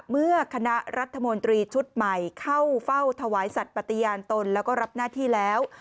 เมื่อคณะรัฐมนตรีชุดใหม่เข้าเฝ้าถวายสัตว์ปฏิญาณตนแล้วก็รับหน้าที่แล้ว